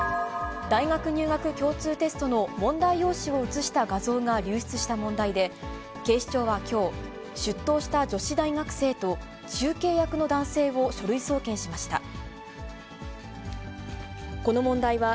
大学入学共通テストの問題用紙を写した画像が流出した問題で、警視庁はきょう、出頭した女子大学生と、中継役の男性を書類送検しました。